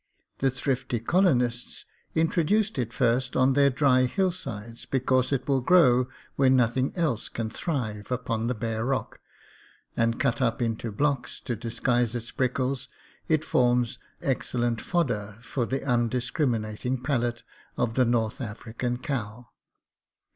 The thrifty colonists introduced it first on their dry hillsides, because it will grow where nothing else can thrive upon the bare rock ; and cut up into blocks to disguise its prickles, it forms excellent fodder for the undiscriminating palate of the North African cow.